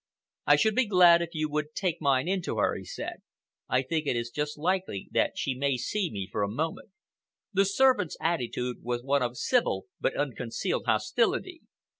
"I should be glad if you would take mine in to her," he said. "I think it is just likely that she may see me for a moment." The servant's attitude was one of civil but unconcealed hostility.